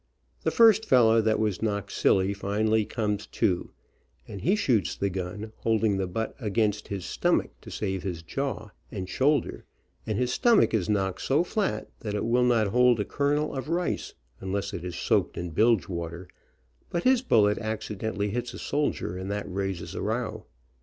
The first fellow that was knocked silly finally comes to, and he shoots the gun, holding the butt against his stomach, to save his jaw, and shoul der, and his stomach is knocked so flat that it will not hold a kernel of rice, unless it is soaked in bilge water, but his bullet accidentally hits a soldier and that rafses a row.